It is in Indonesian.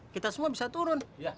kita semua bisa turun